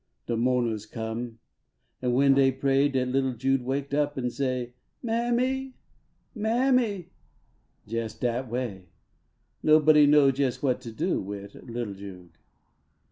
De mo ners come ; an when dey pray Dat little Jude waked up an say : Mammie ! Mammie !" jes dat way. Nobody know jes what to do Wid little Jude.